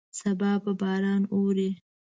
سبا به باران ووري.